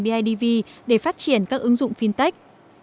bidv để phát triển các ứng dụng fintech